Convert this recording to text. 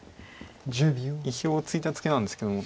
意表をついたツケなんですけども。